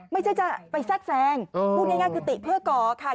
ไม่ใช่จะไปแทรกแซงพูดง่ายคือติเพื่อก่อค่ะ